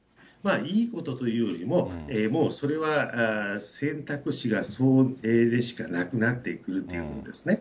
いいことというよりも、もうそれは選択肢がそれしかなくなってくるということですね。